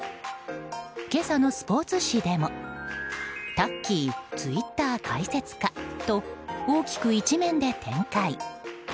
今朝のスポーツ紙でもタッキー、ツイッター開設かと大きく１面で展開。